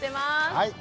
はい。